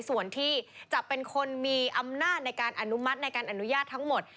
ส่วนที่จะเป็นคนมีอำนาจในการอนุมัติในการอนุญาตทั้งหมด